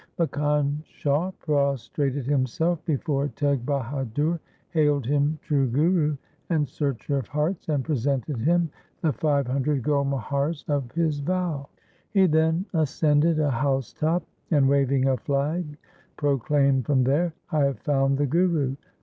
Makkhan Shah prostrated himself before Teg Baha dur, hailed him true Guru and searcher of hearts, and presented him the five hundred gold muhars THE SIKH RELIGION of his vow. He then ascended a house top and, waving a flag, proclaimed from there, ' I have found the Guru !